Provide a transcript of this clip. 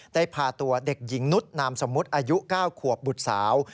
ได้พาตัวเด็กหญิงนุษย์นามสมมุติอายุ๙ขวบบุตรสาว